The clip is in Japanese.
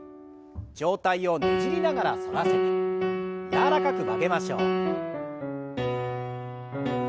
上体をねじりながら反らせて柔らかく曲げましょう。